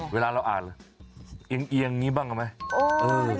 เวลาเราอ่านเอียงอย่างนี้บ้างไหม